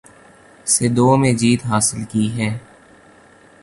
سے دو میں جیت حاصل کی ہے